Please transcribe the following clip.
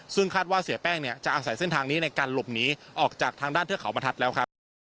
ซึ่งคาดว่าเสียแป้งเนี่ยจะอาศัยเส้นทางนี้ในการหลบหนีออกจากทางด้านเทือกเขาบรรทัศน์แล้วครับ